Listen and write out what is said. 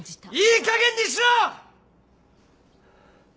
いいかげんにしろ！